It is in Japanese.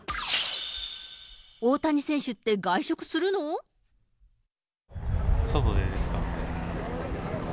大谷選手って、外でですか？